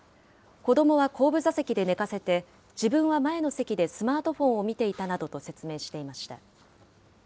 子どもは後部座席で寝かせて、自分は前の席でスマートフォンを見ていたなどと説明していました。